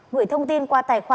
gửi thông tin qua tài khoản